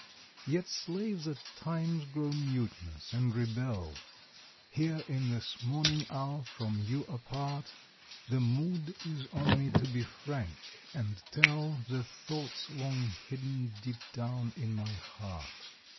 Yet slaves, at times, grow mutinous and rebel. Here in this morning hour, from you apart, The mood is on me to be frank and tell The thoughts long hidden deep down in my heart.